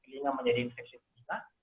lihnya menjadi infeksi tersisa